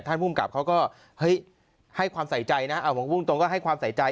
ท่านผู้มกลับเขาก็ให้ความใส่ใจนะผมคือตรงก็ให้ความใส่ใจ